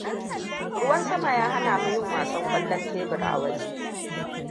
Ruwan sama ya hana mu yin wasan ƙwallon tebur a waje.